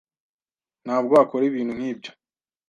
ntabwo akora ibintu nkibyo.